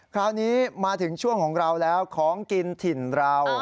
คราวนี้มาถึงช่วงของเราแล้วของกินถิ่นเรา